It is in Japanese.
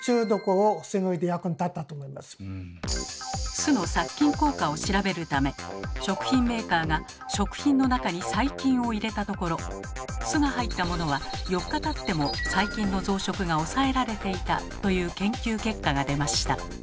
酢の殺菌効果を調べるため食品メーカーが食品の中に細菌を入れたところ酢が入ったものは４日たっても細菌の増殖が抑えられていたという研究結果が出ました。